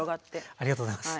ありがとうございます。